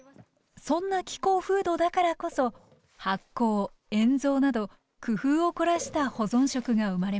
そんな気候風土だからこそ発酵塩蔵など工夫を凝らした保存食が生まれました。